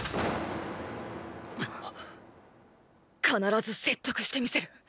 必ず説得してみせる！